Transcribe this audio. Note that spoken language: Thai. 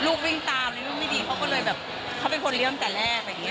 วิ่งตามเลยลูกไม่ดีเขาก็เลยแบบเขาเป็นคนเลี้ยงแต่แรกอะไรอย่างนี้